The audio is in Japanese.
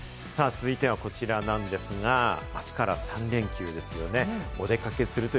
さぁ、続いてはこちらなんですが、あすから３連休ですよね。